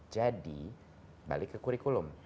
jadi balik ke kurikulum